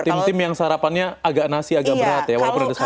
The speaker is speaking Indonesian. tim tim yang sarapannya agak nasi agak berat ya walaupun ada sepuluh